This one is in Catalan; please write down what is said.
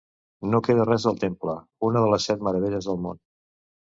No queda res del temple, una de les set meravelles del món.